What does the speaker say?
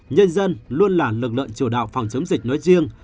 nhân dân luôn là lực lượng chủ đạo phòng chống dịch nói riêng